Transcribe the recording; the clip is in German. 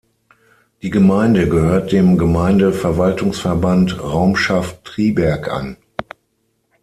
Die Gemeinde gehört dem Gemeindeverwaltungsverband Raumschaft Triberg an.